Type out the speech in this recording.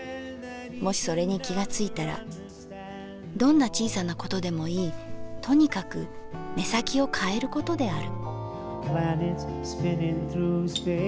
もしそれに気がついたらどんな小さなことでもいいとにかく目先きをかえることである」。